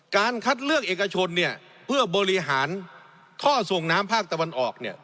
การคัดเลือกเอกชนเนี่ยเพื่อบริหารท่อส่งน้ำภาคตะวันออกเนี่ย